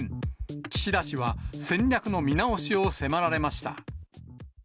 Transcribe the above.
岸田氏は戦略の見直しを迫られました。